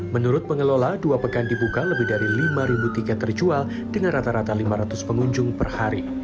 menurut pengelola dua pekan dibuka lebih dari lima tiket terjual dengan rata rata lima ratus pengunjung per hari